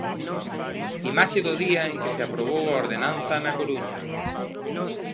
Imaxe do día en que se aprobou a ordenanza na Coruña.